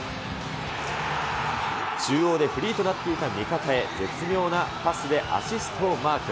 中央でフリーとなっていた味方へ、絶妙なパスでアシストをマーク。